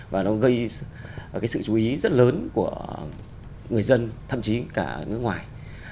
và nó gây sự chú ý rất lớn của người dân thậm chí cả nước ngoài